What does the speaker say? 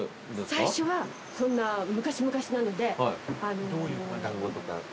最初はそんな昔々なので。